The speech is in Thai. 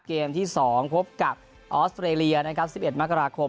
เกมที่๒พบกับออสเตรเลียนะครับ๑๑มกราคม